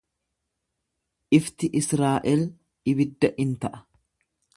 Ifti Israa'el ibidda in ta'a.